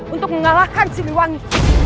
untuk mengalahkan siliwangi